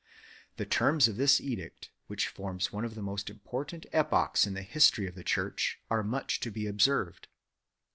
The terms of this edict, which forms one of the most important epochs in the history of the Church, are much to be observed.